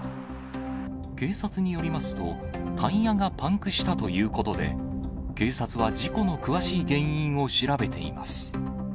警察によりますと、タイヤがパンクしたということで、警察は事故の詳しい原因を調べています。